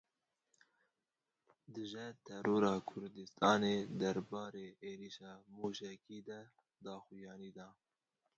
Dije Terora Kurdistanê derbarê êrişa mûşekî de daxuyanî da.